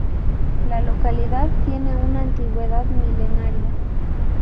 La localidad tiene una antigüedad milenaria.